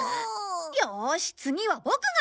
よし次はボクが！